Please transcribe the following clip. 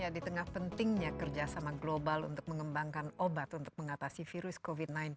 di tengah pentingnya kerjasama global untuk mengembangkan obat untuk mengatasi virus covid sembilan belas